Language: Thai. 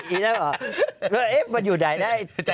อีน้ำอ๋อมันอยู่ไหนนะ